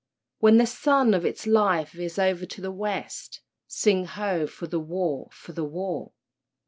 When the sun of its life veers o'er to the West, (Sing ho! for the war, for the war!)